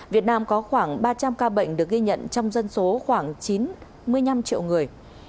việt nam có khoảng ba trăm linh ca bệnh được ghi nhận trong dân số khoảng chín mươi năm triệu người